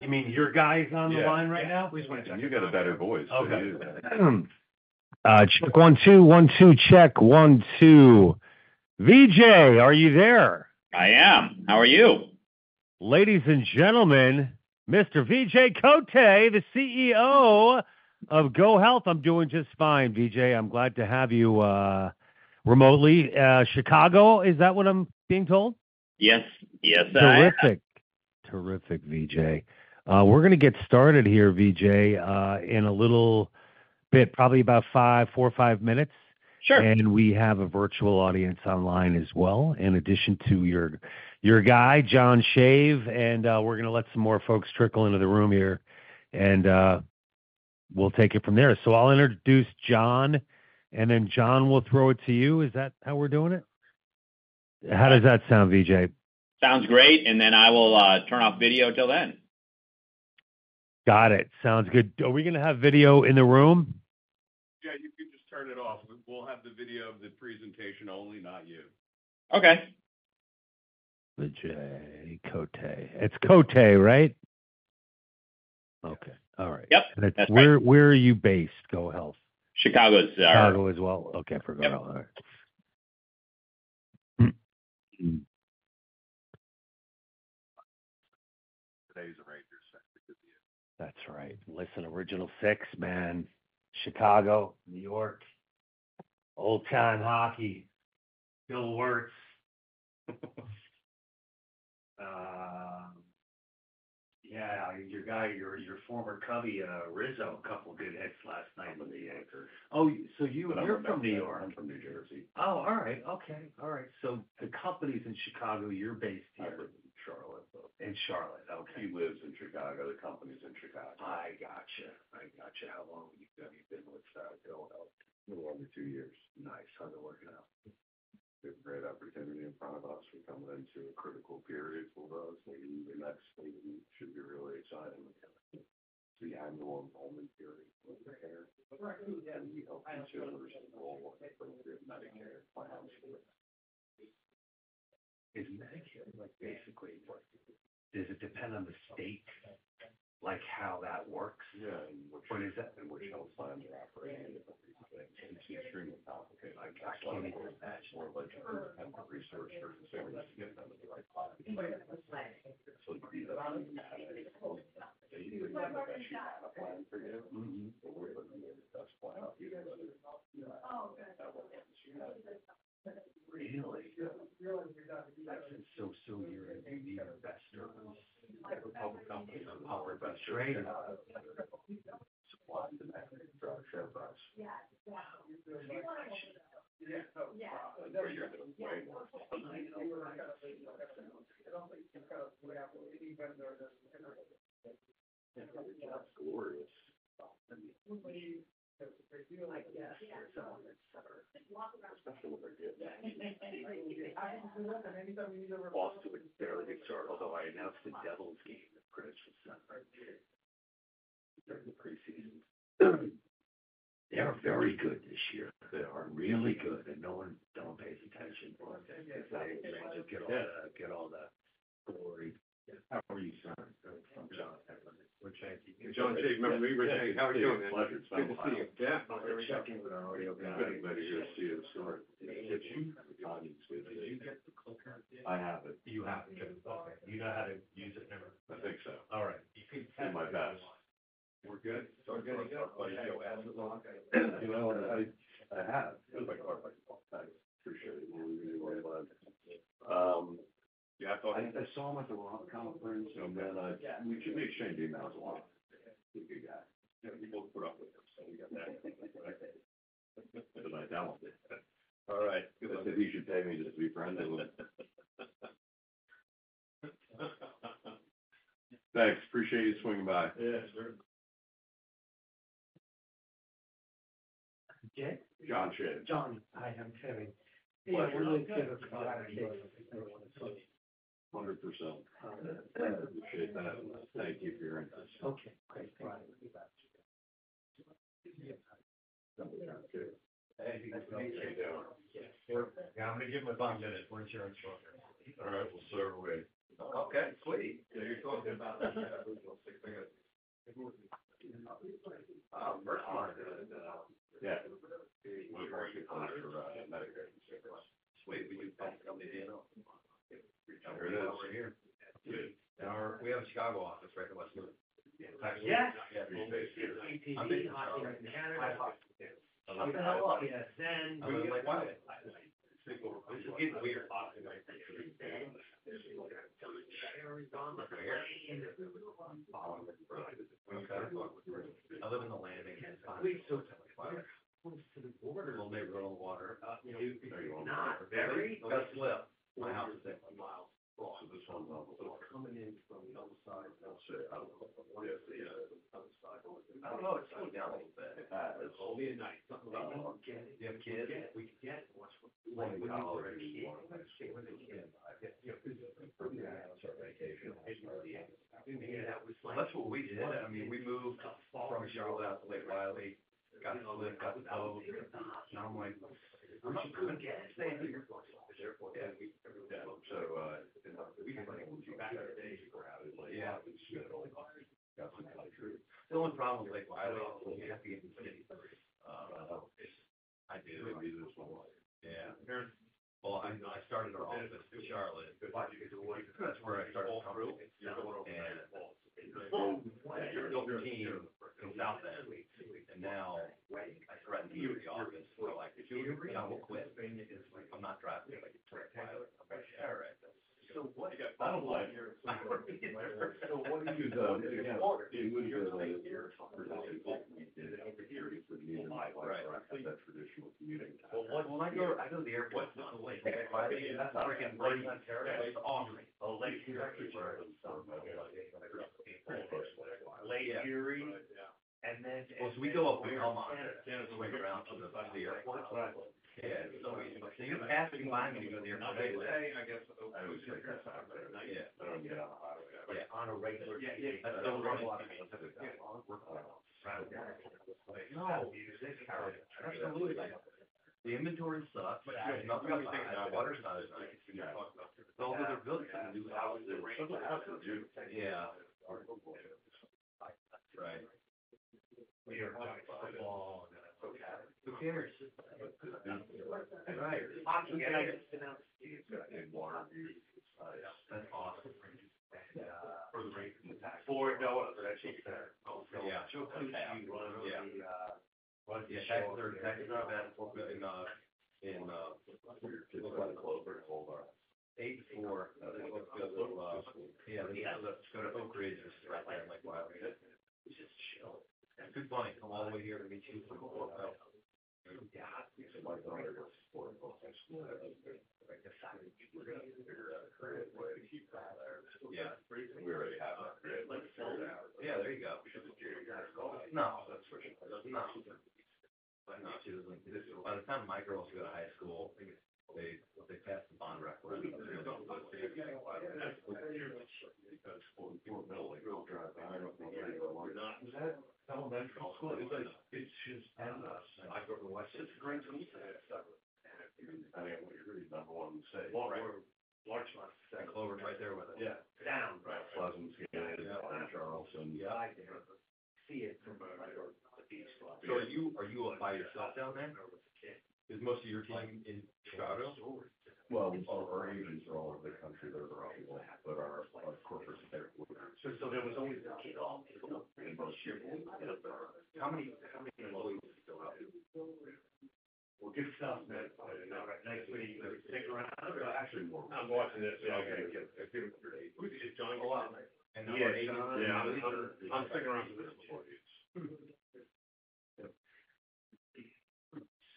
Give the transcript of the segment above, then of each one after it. You mean your guy's on the line right now? Yeah. Please wait a second. And you got a better voice, so you- Okay. Check one, two. One, two, check. One, two. Vijay, are you there? I am. How are you? Ladies and gentlemen, Mr. Vijay Kotte, the CEO of GoHealth. I'm doing just fine, Vijay. I'm glad to have you remotely. Chicago, is that what I'm being told? Yes. Yes, I am. Terrific. Terrific, Vijay. We're gonna get started here, Vijay, in a little bit, probably about five, four, five minutes. Sure. And we have a virtual audience online as well, in addition to your guy, John Shave, and we're gonna let some more folks trickle into the room here, and we'll take it from there. So I'll introduce John, and then John, we'll throw it to you. Is that how we're doing it? How does that sound, Vijay? Sounds great, and then I will turn off video till then. Got it. Sounds good. Are we gonna have video in the room? Yeah, you can just turn it off. We'll have the video of the presentation only, not you. Okay. Vijay Kotte. It's Kotte, right? Okay. All right. Yep, that's right. Where are you based, GoHealth? Chicago. Chicago as well? Okay, I forgot. Yep. All right. is a Rangers victory with you. That's right. Listen, original six, man. Chicago, New York, old-time hockey. Still works. Yeah, your guy, your former Cub, Rizzo, a couple of good hits last night with the Yanks. Oh, so you- I don't know about that. You're from New York? I'm from New Jersey. Oh, all right. Okay. All right. So the company's in Chicago, you're based here? I live in Charlotte, though. In Charlotte, okay. He lives in Chicago. The company's in Chicago. I gotcha. How long have you been with GoHealth? Little over two years. Nice. How's it working out? We have a great opportunity in front of us. We're coming into a critical period for those. Maybe the next thing should be really exciting, the Annual Enrollment Period.. Is Medicare, like, basically... Does it depend on the state, like, how that works? Yeah. What is that? Which health plans are operating. It tends to stream without, because I can't imagine more research for families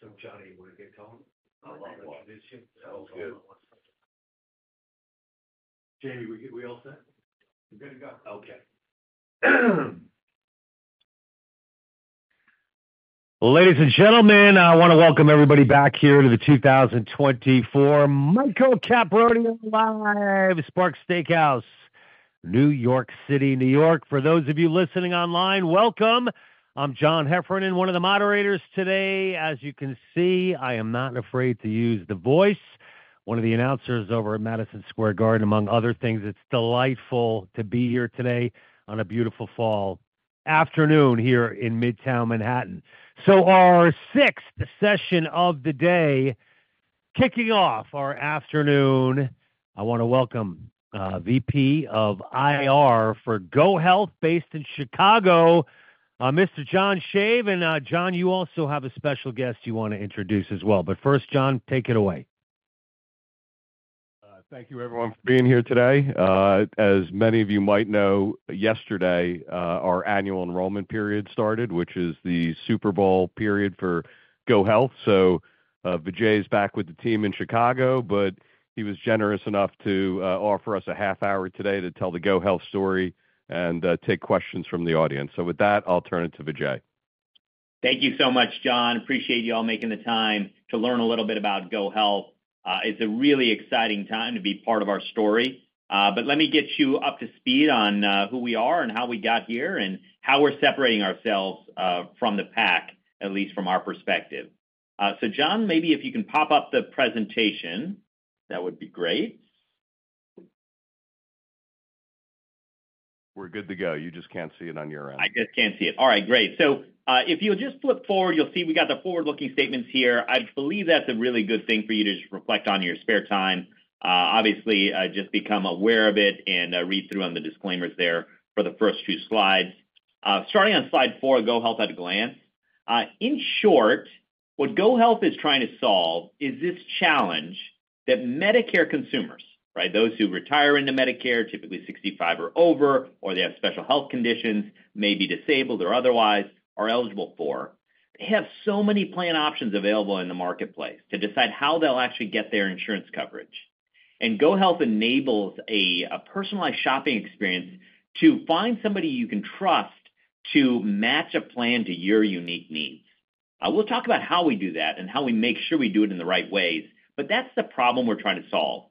to get them in the right spot. Mm-hmm. Best plan out here. Really? Yeah. That's so soon, you're an investor. Ladies and gentlemen, I want to welcome everybody back here to the two thousand and twenty-four Michael Caprodie Live, Sparks Steakhouse, New York City, New York. For those of you listening online, welcome. I'm John Heffernan, one of the moderators today. As you can see, I am not afraid to use the voice. One of the announcers over at Madison Square Garden, among other things. It's delightful to be here today on a beautiful fall afternoon here in Midtown Manhattan. So our sixth session of the day, kicking off our afternoon, I want to welcome VP of IR for GoHealth, based in Chicago, Mr. John Shave. And, John, you also have a special guest you want to introduce as well. But first, John, take it away. Thank you, everyone, for being here today. As many of you might know, yesterday our Annual Enrollment Period. started, which is the Super Bowl period for GoHealth, so Vijay is back with the team in Chicago, but he was generous enough to offer us a half hour today to tell the GoHealth story and take questions from the audience, so with that, I'll turn it to Vijay. Thank you so much, John. Appreciate you all making the time to learn a little bit about GoHealth. It's a really exciting time to be part of our story, but let me get you up to speed on who we are and how we got here, and how we're separating ourselves from the pack, at least from our perspective, so John, maybe if you can pop up the presentation, that would be great. We're good to go. You just can't see it on your end. I just can't see it. All right, great. So, if you'll just flip forward, you'll see we got the forward-looking statements here. I believe that's a really good thing for you to just reflect on in your spare time. Obviously, just become aware of it and, read through on the disclaimers there for the first few slides. Starting on slide four, GoHealth at a glance. In short, what GoHealth is trying to solve is this challenge that Medicare consumers, right? Those who retire into Medicare, typically sixty-five or over, or they have special health conditions, may be disabled or otherwise, are eligible for. They have so many plan options available in the marketplace to decide how they'll actually get their insurance coverage. And GoHealth enables a personalized shopping experience to find somebody you can trust to match a plan to your unique needs. We'll talk about how we do that and how we make sure we do it in the right ways, but that's the problem we're trying to solve.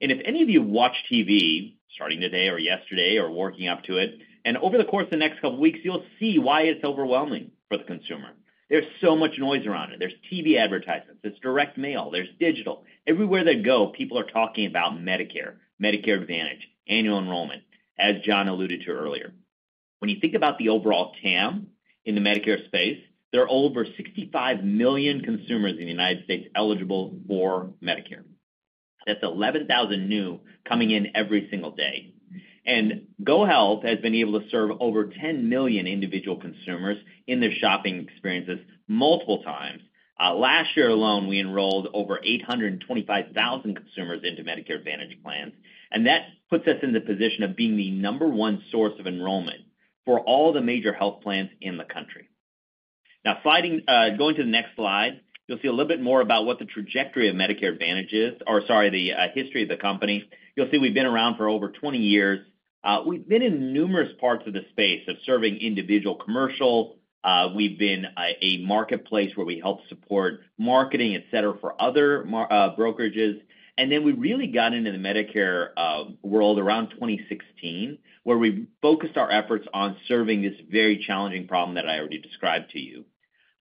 And if any of you watch TV, starting today or yesterday or working up to it, and over the course of the next couple weeks, you'll see why it's overwhelming for the consumer. There's so much noise around it. There's TV advertisements, there's direct mail, there's digital. Everywhere they go, people are talking about Medicare, Medicare Advantage, annual enrollment, as John alluded to earlier. When you think about the overall TAM in the Medicare space, there are over 65 million consumers in the United States eligible for Medicare. That's 11,000 new coming in every single day. And GoHealth has been able to serve over 10 million individual consumers in their shopping experiences multiple times. Last year alone, we enrolled over 825,000 consumers into Medicare Advantage plans, and that puts us in the position of being the number one source of enrollment for all the major health plans in the country. Now, sliding, going to the next slide, you'll see a little bit more about what the trajectory of Medicare Advantage is, or sorry, the history of the company. You'll see we've been around for over 20 years. We've been in numerous parts of the space of serving individual commercial. We've been a marketplace where we help support marketing, et cetera, for other brokerages. And then we really got into the Medicare world around 2016, where we focused our efforts on serving this very challenging problem that I already described to you.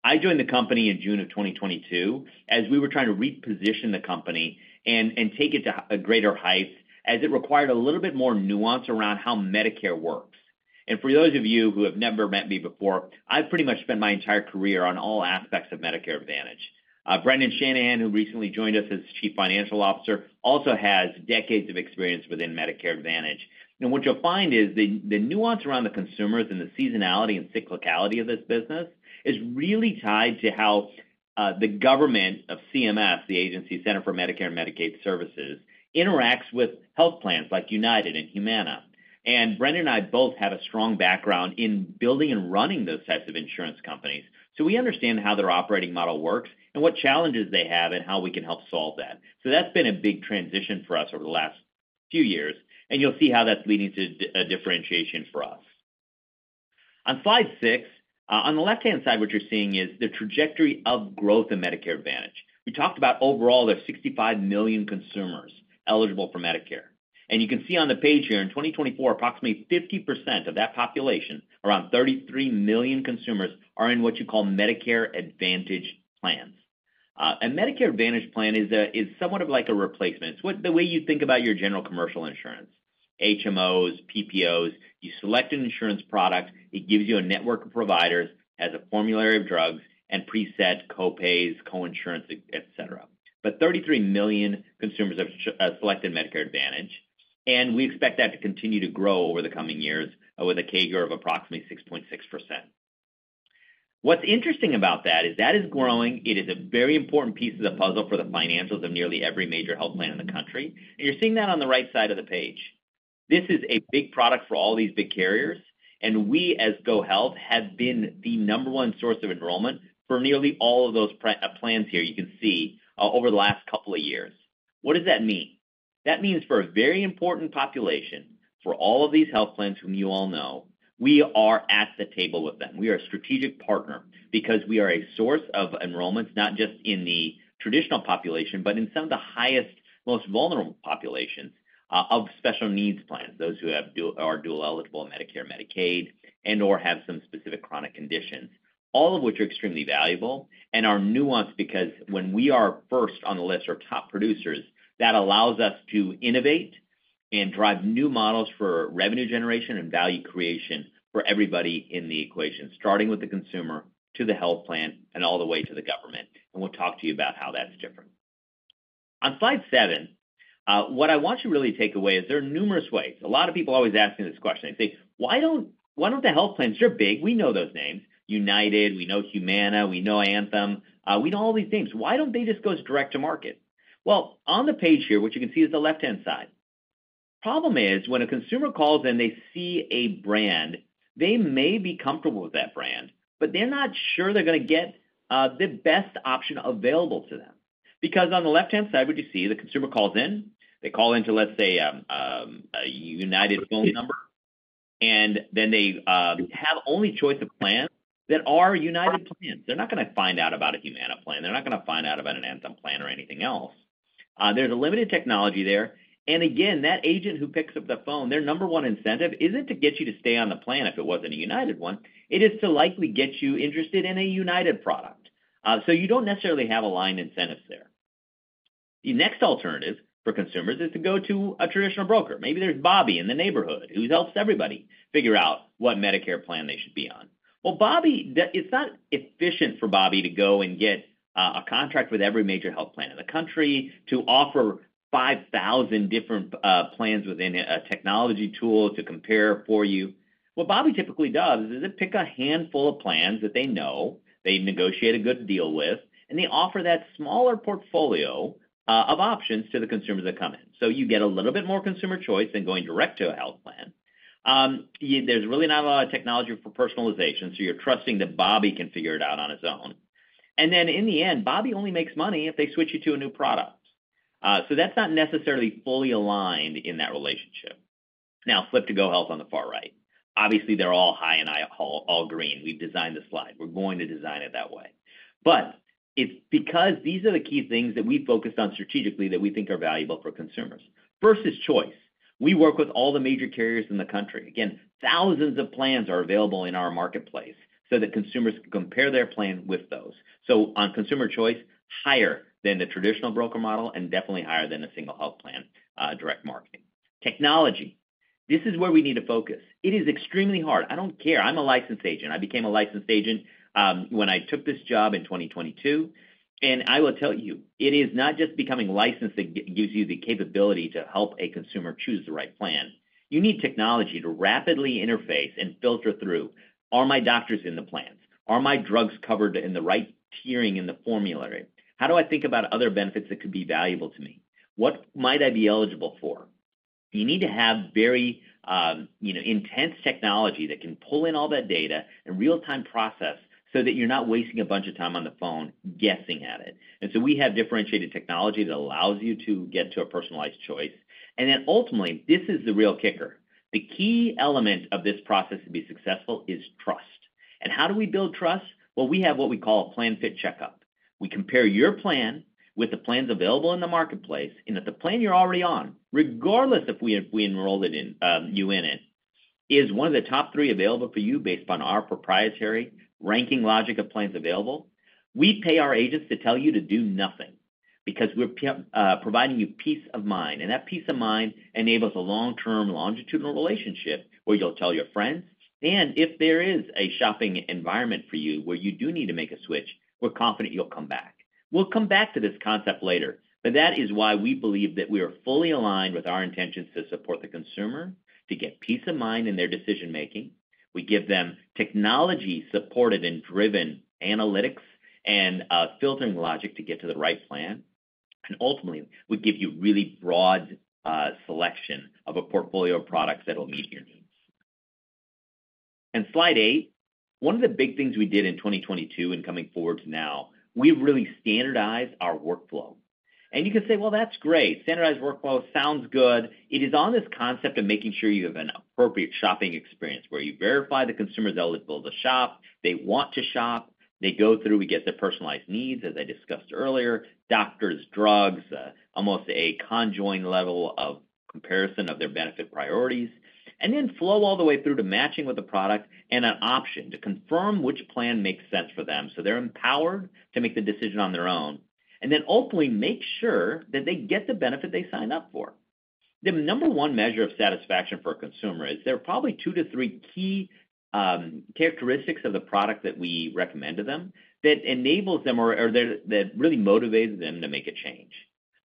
I joined the company in June of twenty twenty-two, as we were trying to reposition the company and take it to a greater height, as it required a little bit more nuance around how Medicare works. And for those of you who have never met me before, I've pretty much spent my entire career on all aspects of Medicare Advantage. Brendan Shanahan, who recently joined us as Chief Financial Officer, also has decades of experience within Medicare Advantage. And what you'll find is the nuance around the consumers and the seasonality and cyclicality of this business is really tied to how the government of CMS, the Centers for Medicare and Medicaid Services, interacts with health plans like United and Humana. And Brendan and I both have a strong background in building and running those types of insurance companies. We understand how their operating model works and what challenges they have and how we can help solve that. That's been a big transition for us over the last few years, and you'll see how that's leading to a differentiation for us. On slide six, on the left-hand side, what you're seeing is the trajectory of growth in Medicare Advantage. We talked about overall, there's 65 million consumers eligible for Medicare. You can see on the page here, in 2024, approximately 50% of that population, around 33 million consumers, are in what you call Medicare Advantage Plans. A Medicare Advantage Plan is somewhat like a replacement. It's the way you think about your general commercial insurance, HMOs, PPOs, you select an insurance product, it gives you a network of providers, has a formulary of drugs and preset co-pays, co-insurance, et cetera. But 33 million consumers have selected Medicare Advantage, and we expect that to continue to grow over the coming years with a CAGR of approximately 6.6%. What's interesting about that, is that is growing. It is a very important piece of the puzzle for the financials of nearly every major health plan in the country. And you're seeing that on the right side of the page. This is a big product for all these big carriers, and we, as GoHealth, have been the number one source of enrollment for nearly all of those plans here, you can see, over the last couple of years. What does that mean? That means for a very important population, for all of these health plans whom you all know, we are at the table with them. We are a strategic partner because we are a source of enrollments, not just in the traditional population, but in some of the highest, most vulnerable populations, of Special Needs Plans, those who are dual eligible in Medicare or Medicaid, and/or have some specific chronic conditions. All of which are extremely valuable and are nuanced because when we are first on the list of top producers, that allows us to innovate and drive new models for revenue generation and value creation for everybody in the equation, starting with the consumer, to the health plan, and all the way to the government, and we'll talk to you about how that's different. On slide seven, what I want you to really take away is there are numerous ways. A lot of people always ask me this question. They say: "Why don't the health plans... They're big, we know those names. United, we know Humana, we know Anthem, we know all these names. Why don't they just go direct to market?" Well, on the page here, what you can see is the left-hand side. Problem is, when a consumer calls in, they see a brand, they may be comfortable with that brand, but they're not sure they're gonna get the best option available to them. Because on the left-hand side, what you see, the consumer calls in, they call into, let's say, a United phone number, and then they have only choice of plans that are United plans. They're not gonna find out about a Humana plan. They're not gonna find out about an Anthem plan or anything else. There's a limited technology there, and again, that agent who picks up the phone, their number one incentive isn't to get you to stay on the plan if it wasn't a United one. It is to likely get you interested in a United product. So you don't necessarily have aligned incentives there. The next alternative for consumers is to go to a traditional broker. Maybe there's Bobby in the neighborhood, who helps everybody figure out what Medicare plan they should be on. Well, Bobby, it's not efficient for Bobby to go and get a contract with every major health plan in the country to offer 5,000 different plans within a technology tool to compare for you. What Bobby typically does is they pick a handful of plans that they know, they negotiate a good deal with, and they offer that smaller portfolio of options to the consumers that come in. So you get a little bit more consumer choice than going direct to a health plan. There's really not a lot of technology for personalization, so you're trusting that Bobby can figure it out on his own. And then, in the end, Bobby only makes money if they switch you to a new product. So that's not necessarily fully aligned in that relationship. Now, flip to GoHealth on the far right. Obviously, they're all high and high, all green. We've designed the slide. We're going to design it that way. But it's because these are the key things that we focused on strategically that we think are valuable for consumers. First is choice. We work with all the major carriers in the country. Again, thousands of plans are available in our marketplace, so that consumers can compare their plan with those. So on consumer choice, higher than the traditional broker model and definitely higher than the single health plan, direct marketing. Technology, this is where we need to focus. It is extremely hard. I don't care. I'm a licensed agent. I became a licensed agent when I took this job in 2022, and I will tell you, it is not just becoming licensed that gives you the capability to help a consumer choose the right plan. You need technology to rapidly interface and filter through, are my doctors in the plan? Are my drugs covered in the right tiering in the formulary? How do I think about other benefits that could be valuable to me? What might I be eligible for? You need to have very, you know, intense technology that can pull in all that data and real-time process so that you're not wasting a bunch of time on the phone guessing at it, and so we have differentiated technology that allows you to get to a personalized choice, and then ultimately, this is the real kicker. The key element of this process to be successful is trust, and how do we build trust? Well, we have what we call a Plan Fit Checkup. We compare your plan with the plans available in the marketplace, and if the plan you're already on, regardless if we enrolled you in it, is one of the top three available for you based on our proprietary ranking logic of plans available, we pay our agents to tell you to do nothing because we're providing you peace of mind, and that peace of mind enables a long-term, longitudinal relationship where you'll tell your friends, and if there is a shopping environment for you where you do need to make a switch, we're confident you'll come back. We'll come back to this concept later, but that is why we believe that we are fully aligned with our intentions to support the consumer, to get peace of mind in their decision-making. We give them technology supported and driven analytics and, filtering logic to get to the right plan, and ultimately, we give you really broad selection of a portfolio of products that will meet your needs, and slide eight, one of the big things we did in 2022 and coming forward to now, we've really standardized our workflow, and you can say, "Well, that's great. Standardized workflow sounds good." It is on this concept of making sure you have an appropriate shopping experience, where you verify the consumer's eligible to shop, they want to shop, they go through, we get their personalized needs, as I discussed earlier, doctors, drugs, almost a conjoined level of comparison of their benefit priorities, and then flow all the way through to matching with the product and an option to confirm which plan makes sense for them. So they're empowered to make the decision on their own, and then ultimately, make sure that they get the benefit they signed up for. The number one measure of satisfaction for a consumer is there are probably two to three key characteristics of the product that we recommend to them that enables them or that really motivates them to make a change.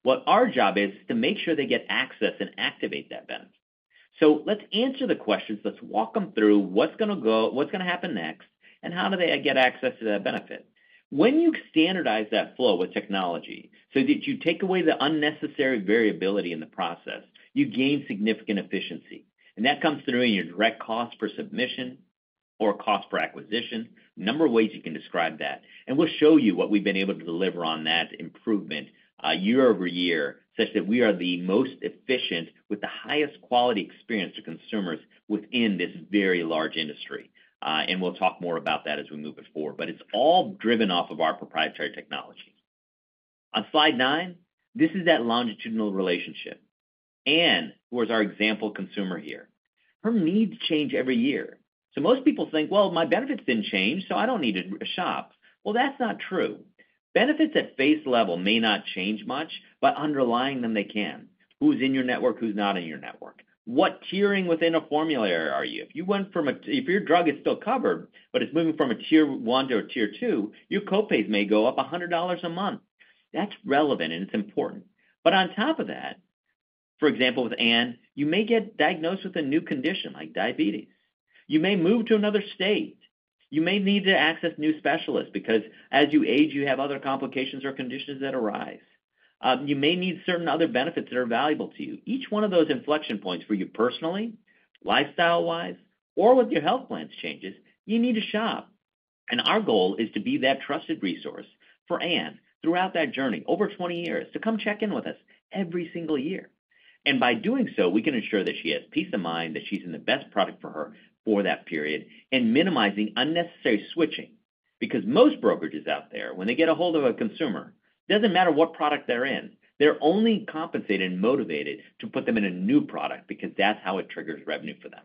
What our job is, is to make sure they get access and activate that benefit. So let's answer the questions. Let's walk them through what's gonna happen next, and how do they get access to that benefit? When you standardize that flow with technology so that you take away the unnecessary variability in the process, you gain significant efficiency, and that comes through in your direct cost per submission or cost per acquisition. Number of ways you can describe that, and we'll show you what we've been able to deliver on that improvement, year over year, such that we are the most efficient with the highest quality experience to consumers within this very large industry, and we'll talk more about that as we move it forward, but it's all driven off of our proprietary technologies. On slide nine, this is that longitudinal relationship. Anne, who is our example consumer here, her needs change every year. So most people think, "Well, my benefit's been changed, so I don't need to shop." Well, that's not true. Benefits at face level may not change much, but underlying them, they can. Who's in your network, who's not in your network? What tiering within a formulary are you? If you went from a... If your drug is still covered, but it's moving from a tier one to a tier two, your co-pays may go up $100 a month. That's relevant, and it's important. But on top of that, for example, with Anne, you may get diagnosed with a new condition like diabetes. You may move to another state. You may need to access new specialists because as you age, you have other complications or conditions that arise. You may need certain other benefits that are valuable to you. Each one of those inflection points for you personally, lifestyle-wise, or with your health plans changes, you need to shop. And our goal is to be that trusted resource for Anne throughout that journey, over 20 years, to come check in with us every single year. And by doing so, we can ensure that she has peace of mind, that she's in the best product for her for that period, and minimizing unnecessary switching. Because most brokerages out there, when they get a hold of a consumer, doesn't matter what product they're in, they're only compensated and motivated to put them in a new product because that's how it triggers revenue for them.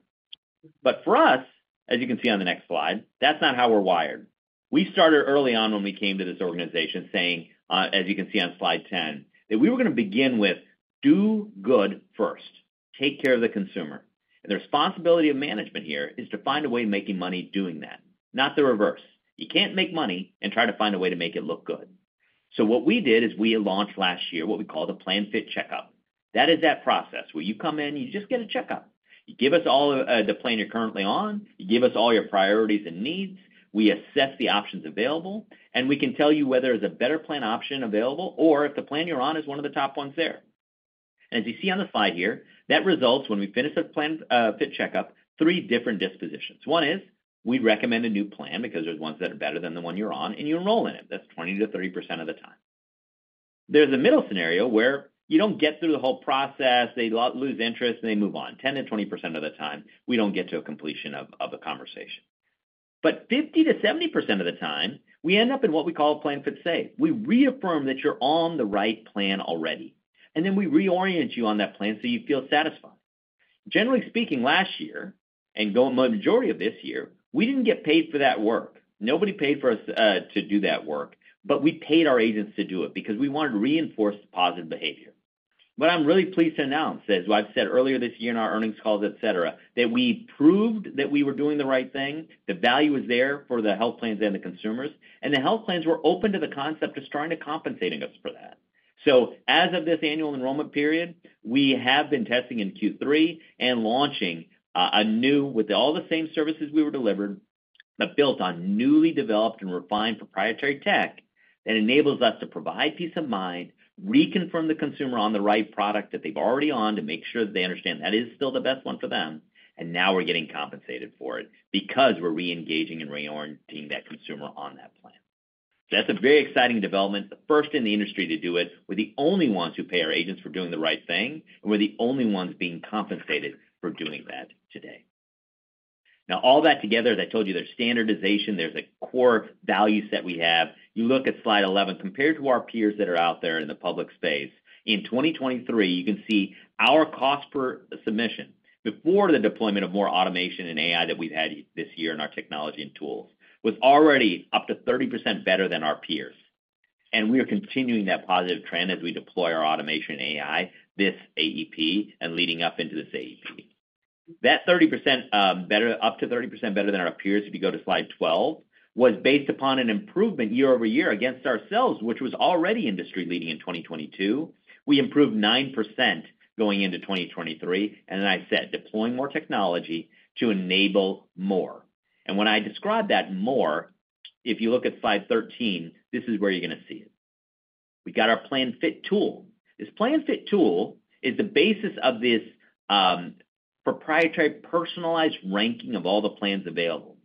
But for us, as you can see on the next slide, that's not how we're wired. We started early on when we came to this organization saying, as you can see on slide ten, that we were gonna begin with, do good first, take care of the consumer. And the responsibility of management here is to find a way of making money doing that, not the reverse. You can't make money and try to find a way to make it look good. So what we did is we launched last year, what we call the Plan Fit Checkup. That is that process, where you come in, you just get a checkup. You give us all, the plan you're currently on, you give us all your priorities and needs, we assess the options available, and we can tell you whether there's a better plan option available or if the plan you're on is one of the top ones there. As you see on the slide here, that results, when we finish this Plan Fit Checkup, three different dispositions. One is, we recommend a new plan because there's ones that are better than the one you're on, and you enroll in it. That's 20%-30% of the time. There's a middle scenario where you don't get through the whole process, they lose interest, and they move on. 10%-20% of the time, we don't get to a completion of a conversation. But 50%-70% of the time, we end up in what we call a Plan Fit Checkup. We reaffirm that you're on the right plan already, and then we reorient you on that plan so you feel satisfied. Generally speaking, last year, and the majority of this year, we didn't get paid for that work. Nobody paid for us to do that work, but we paid our agents to do it because we wanted to reinforce positive behavior. What I'm really pleased to announce is, what I've said earlier this year in our earnings calls, et cetera, that we proved that we were doing the right thing, the value is there for the health plans and the consumers, and the health plans were open to the concept of starting to compensating us for that. So as of this Annual Enrollment Period., we have been testing in Q3 and launching with all the same services we were delivering, but built on newly developed and refined proprietary tech, that enables us to provide peace of mind, reconfirm the consumer on the right product that they've already on, to make sure that they understand that is still the best one for them, and now we're getting compensated for it because we're reengaging and reorienting that consumer on that plan. That's a very exciting development. The first in the industry to do it. We're the only ones who pay our agents for doing the right thing, and we're the only ones being compensated for doing that today. Now, all that together, as I told you, there's standardization, there's a core value set we have. You look at slide 11, compared to our peers that are out there in the public space, in 2023, you can see our cost per submission before the deployment of more automation and AI that we've had this year in our technology and tools, was already up to 30% better than our peers. And we are continuing that positive trend as we deploy our automation and AI, this AEP, and leading up into this AEP. That 30%, better, up to 30% better than our peers, if you go to slide 12, was based upon an improvement year over year against ourselves, which was already industry-leading in 2022. We improved 9% going into 2023, and then I said, deploying more technology to enable more, and when I describe that more, if you look at slide 13, this is where you're gonna see it. We got our Plan Fit Tool. This Plan Fit Tool is the basis of this, proprietary, personalized ranking of all the plans available.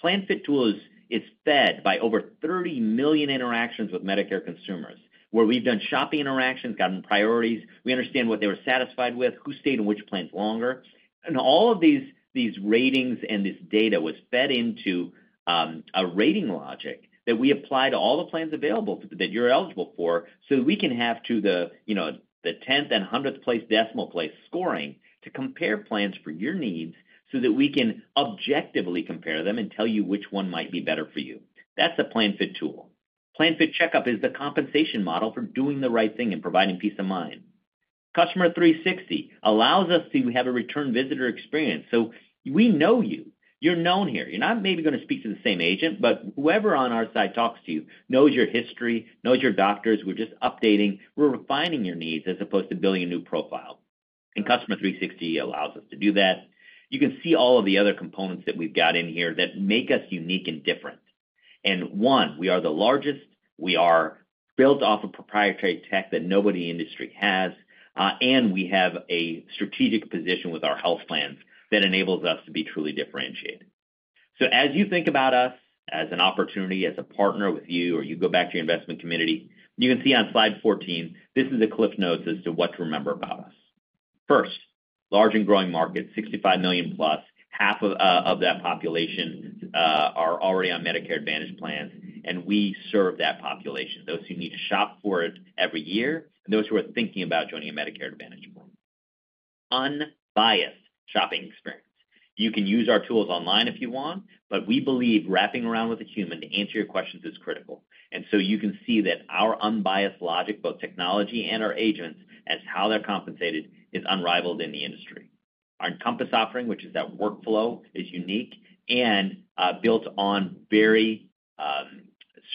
Plan Fit Tool is fed by over 30 million interactions with Medicare consumers, where we've done shopping interactions, gotten priorities, we understand what they were satisfied with, who stayed in which plans longer. And all of these, these ratings and this data was fed into a rating logic that we apply to all the plans available that you're eligible for, so we can have to the, you know, the tenth and hundredth place, decimal place scoring to compare plans for your needs, so that we can objectively compare them and tell you which one might be better for you. That's the Plan Fit Tool. Plan Fit Checkup is the compensation model for doing the right thing and providing peace of mind. Customer 360 allows us to have a return visitor experience. So we know you. You're known here. You're not maybe gonna speak to the same agent, but whoever on our side talks to you knows your history, knows your doctors. We're just updating, we're refining your needs as opposed to building a new profile. And Customer 360 allows us to do that. You can see all of the other components that we've got in here that make us unique and different. And one, we are the largest, we are built off of proprietary tech that nobody in the industry has, and we have a strategic position with our health plans that enables us to be truly differentiated. So as you think about us as an opportunity, as a partner with you, or you go back to your investment community, you can see on slide 14, this is a cliff notes as to what to remember about us. First, large and growing market, 65 million plus, half of, of that population, are already on Medicare Advantage plans, and we serve that population, those who need to shop for it every year, and those who are thinking about joining a Medicare Advantage plan. Unbiased shopping experience. You can use our tools online if you want, but we believe wrapping around with a human to answer your questions is critical. And so you can see that our unbiased logic, both technology and our agents, as how they're compensated, is unrivaled in the industry. Our Encompass offering, which is that workflow, is unique and built on very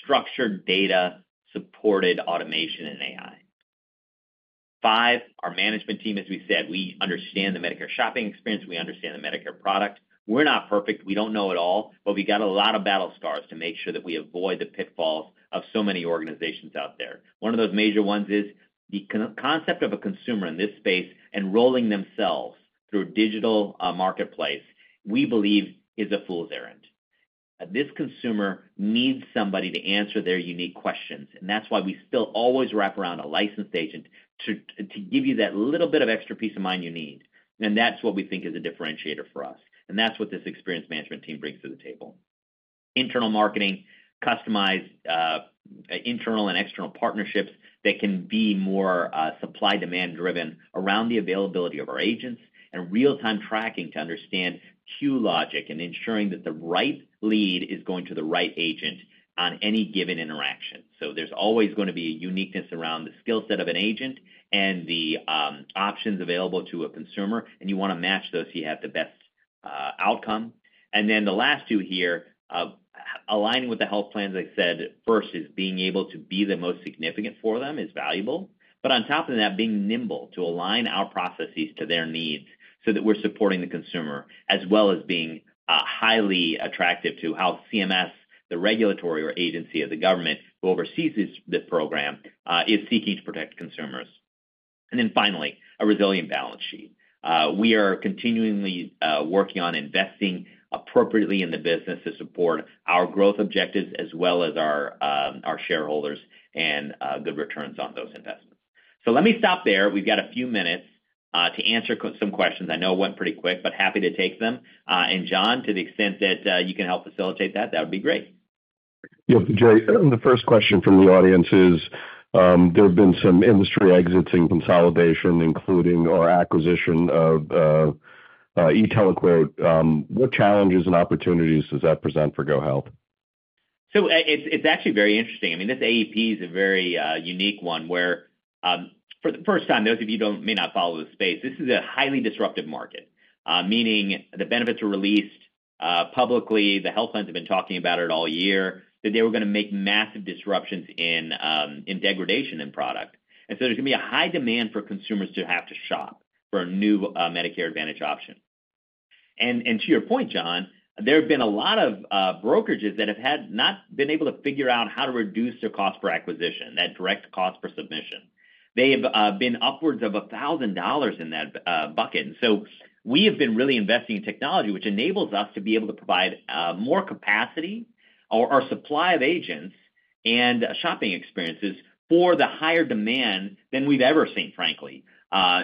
structured, data-supported automation and AI. Five, our management team, as we said, we understand the Medicare shopping experience, we understand the Medicare product. We're not perfect. We don't know it all, but we got a lot of battle scars to make sure that we avoid the pitfalls of so many organizations out there. One of those major ones is the concept of a consumer in this space, enrolling themselves through a digital marketplace, we believe is a fool's errand. This consumer needs somebody to answer their unique questions, and that's why we still always wrap around a licensed agent to give you that little bit of extra peace of mind you need, and that's what we think is a differentiator for us, and that's what this experience management team brings to the table. Internal marketing, customized, internal and external partnerships that can be more supply/demand driven around the availability of our agents, and real-time tracking to understand queue logic and ensuring that the right lead is going to the right agent on any given interaction, so there's always gonna be a uniqueness around the skill set of an agent and the options available to a consumer, and you wanna match those so you have the best outcome. Then the last two here, aligning with the health plans, like I said, first is being able to be the most significant for them is valuable. But on top of that, being nimble to align our processes to their needs so that we're supporting the consumer, as well as being highly attractive to how CMS, the regulatory agency of the government, who oversees this program, is seeking to protect consumers. And then finally, a resilient balance sheet. We are continually working on investing appropriately in the business to support our growth objectives as well as our shareholders and good returns on those investments. So let me stop there. We've got a few minutes to answer some questions. I know it went pretty quick, but happy to take them. And John, to the extent that you can help facilitate that, that would be great. Yep, Jay, the first question from the audience is, there have been some industry exits and consolidation, including our acquisition of eTeleQuote.. What challenges and opportunities does that present for GoHealth? So, it's actually very interesting. I mean, this AEP is a very unique one, where, for the first time, those of you who may not follow the space, this is a highly disruptive market, meaning the benefits were released publicly. The health plans have been talking about it all year, that they were gonna make massive disruptions in degradation in product. And so there's gonna be a high demand for consumers to have to shop for a new Medicare Advantage option. And to your point, John, there have been a lot of brokerages that have not been able to figure out how to reduce their cost per acquisition, that direct cost per submission. They have been upwards of $1,000 in that bucket. And so we have been really investing in technology, which enables us to be able to provide more capacity or our supply of agents and shopping experiences for the higher demand than we've ever seen, frankly,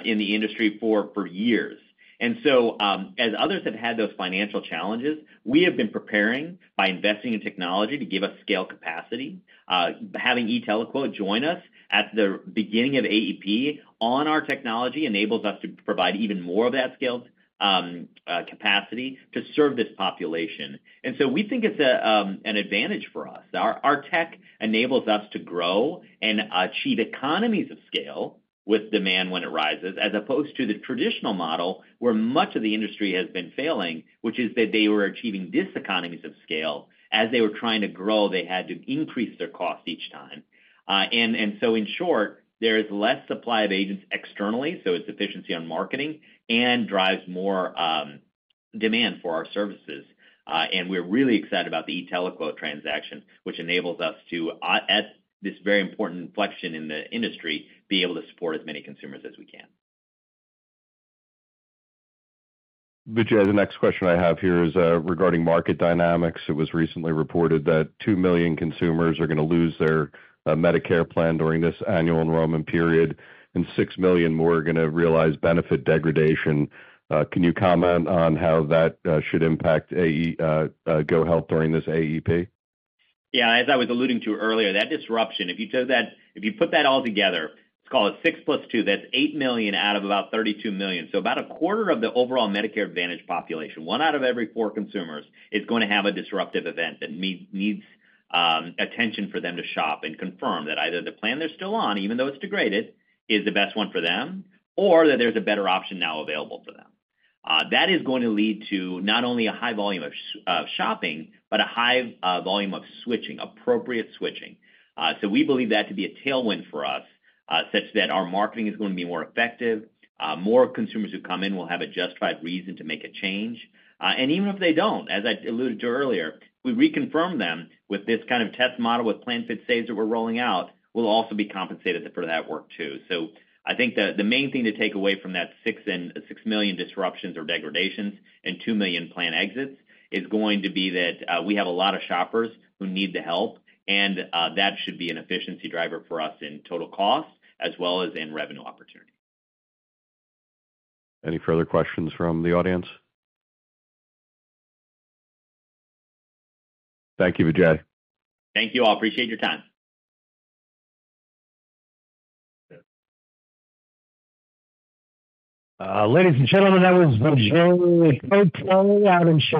in the industry for years. And so as others have had those financial challenges, we have been preparing by investing in technology to give us scale capacity. Having eTeleQuote. join us at the beginning of AEP on our technology enables us to provide even more of that scale capacity to serve this population. And so we think it's an advantage for us. Our tech enables us to grow and achieve economies of scale with demand when it rises, as opposed to the traditional model, where much of the industry has been failing, which is that they were achieving diseconomies of scale. As they were trying to grow, they had to increase their cost each time. And so in short, there is less supply of agents externally, so it's efficiency on marketing and drives more demand for our services. And we're really excited about the eTeleQuote. transaction, which enables us to, at this very important inflection in the industry, be able to support as many consumers as we can. Vijay, the next question I have here is, regarding market dynamics. It was recently reported that two million consumers are gonna lose their Medicare plan during this Annual Enrollment Period., and six million more are gonna realize benefit degradation. Can you comment on how that should impact AE, GoHealth during this AEP? Yeah, as I was alluding to earlier, that disruption, if you took that, if you put that all together, let's call it six plus two, that's eight million out of about thirty-two million. So about a quarter of the overall Medicare Advantage population, one out of every four consumers, is gonna have a disruptive event that needs attention for them to shop and confirm that either the plan they're still on, even though it's degraded, is the best one for them, or that there's a better option now available for them. That is going to lead to not only a high volume of shopping, but a high volume of switching, appropriate switching. So we believe that to be a tailwind for us, such that our marketing is gonna be more effective. More consumers who come in will have a justified reason to make a change, and even if they don't, as I alluded to earlier, we reconfirm them with this kind of test model with Plan Fit Saves that we're rolling out, we'll also be compensated for that work, too, so I think the main thing to take away from that 6.6 million disruptions or degradations and two million plan exits is going to be that we have a lot of shoppers who need the help, and that should be an efficiency driver for us in total cost as well as in revenue opportunity. Any further questions from the audience? Thank you, Vijay. Thank you all. Appreciate your time. Ladies and gentlemen, that was